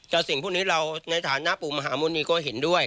แต่สิ่งพวกนี้เราในฐานะปู่มหาหมุณีก็เห็นด้วย